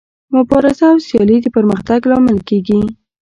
مبارزه او سیالي د پرمختګ لامل کیږي.